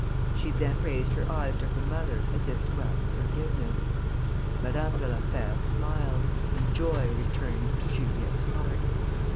She then raised her eyes to her mother as if to ask forgiveness: Madame de la Fère smiled, and joy returned to Juliette's heart.